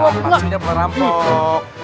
nih maksudnya bukan rampok